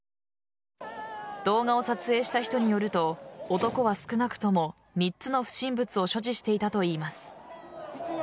動画を撮影した人によると男は少なくとも３つの不審物を所持していたといいます。